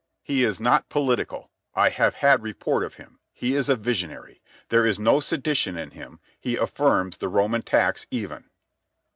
"He is not political. I have had report of him. He is a visionary. There is no sedition in him. He affirms the Roman tax even."